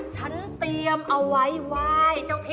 ฉันเตรียมเอาไว้วายเจ้าที่